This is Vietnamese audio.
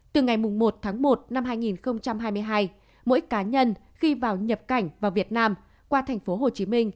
từ ngày một tháng một năm hai nghìn hai mươi hai mỗi cá nhân khi vào nhập cảnh vào việt nam qua tp hcm